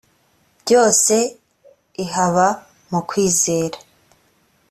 byose i haba mu kwizera